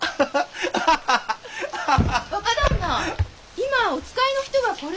今お使いの人がこれを。